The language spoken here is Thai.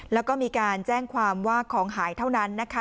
แล้วก็มีการแจ้งความว่าของหายเท่านั้นนะคะ